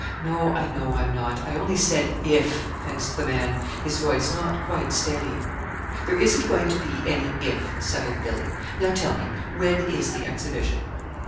"No, I know I'm not. I only said 'if,'" fenced the man, his voice not quite steady. "There isn't going to be any 'if,'" settled Billy. "Now tell me, when is the exhibition?"